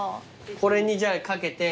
これにじゃあ掛けて。